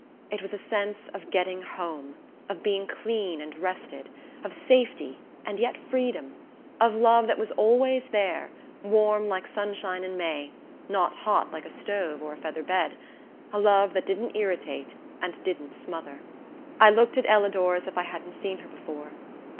It was a sense of getting home; of being clean and rested; of safety and yet freedom; of love that was always there, warm like sunshine in May, not hot like a stove or a featherbed a love that didn't irritate and didn't smother. I looked at Ellador as if I hadn't seen her before.